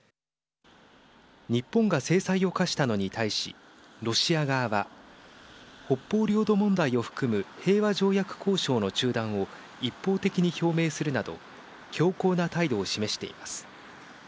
日本が制裁を科したのに対しロシア側は、北方領土問題を含む平和条約交渉の中断を一方的に表明するなど強硬な態度を示しています。